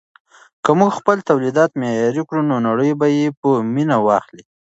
که موږ خپل تولیدات معیاري کړو نو نړۍ به یې په مینه واخلي.